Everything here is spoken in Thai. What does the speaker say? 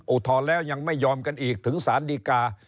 อุทธรณ์แล้วยังไม่ยอมกันอีกถึงสารดีกา